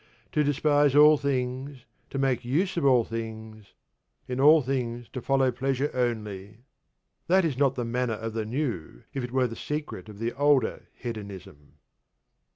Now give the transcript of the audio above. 'To despise all things, to make use of all things, in all things to follow pleasure only:' that is not the manner of the new, if it were the secret of the older Hedonism.